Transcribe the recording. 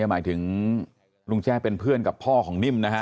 หมายถึงลุงแจ้เป็นเพื่อนกับพ่อของนิ่มนะฮะ